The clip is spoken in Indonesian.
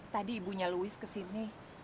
tadi ibunya louis kesini